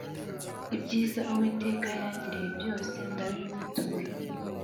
ibyiza uwiteka yangiriye byose ndabimwitura